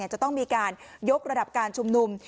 จะต้องมีการยกระดับการชุมนุม